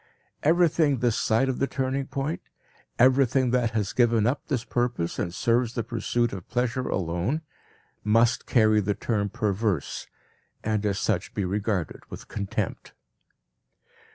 Everything this side of the turning point, everything that has given up this purpose and serves the pursuit of pleasure alone, must carry the term "perverse" and as such be regarded with contempt.